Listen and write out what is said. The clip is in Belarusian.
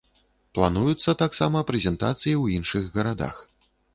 Плануюцца таксама прэзентацыі ў іншых гарадах.